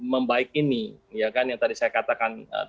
membaik ini yang tadi saya katakan